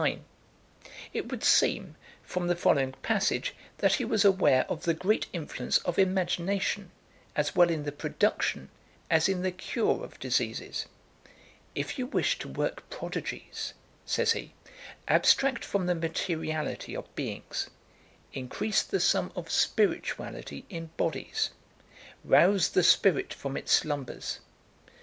It would seem, from the following passage, that he was aware of the great influence of imagination, as well in the production as in the cure of diseases. "If you wish to work prodigies," says he, "abstract from the materiality of beings increase the sum of spirituality in bodies rouse the spirit from its slumbers.